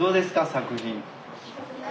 作品。